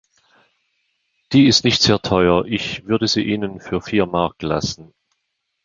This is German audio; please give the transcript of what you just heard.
Die ist nicht sehr teuer, ich würde sie Ihnen für vier Mark lassen.